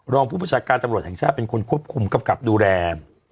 รองผู้พจการตำรวจแห่งชาติเป็นคนควบคุมขับดูแล